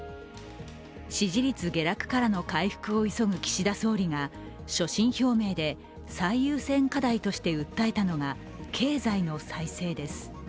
支持率下落からの回復を急ぐ岸田総理が、所信表明で、最優先課題として訴えたのが、経済の再生です。